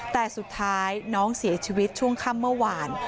แต่สุดท้ายน้องเสียชีวิตช่วงค่ำเมื่อวาน